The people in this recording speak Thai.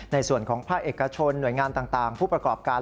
ในส่วนของภาคเอกชนหน่วยงานต่างผู้ประกอบการ